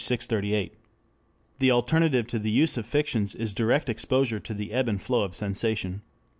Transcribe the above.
638] The alternative to the use of fictions is direct exposure to the ebb and flow of sensation.